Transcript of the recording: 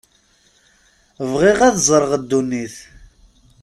Bɣiɣ ad ẓreɣ ddunit.